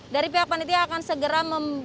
dari pihak panitia akan segera